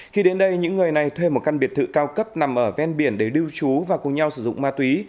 khi đến đây những người này thuê một căn biệt thự cao cấp nằm ở ven biển để lưu trú và cùng nhau sử dụng ma túy